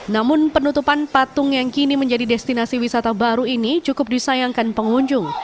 namun penutupan patung yang kini menjadi destinasi wisata baru ini cukup disayangkan pengunjung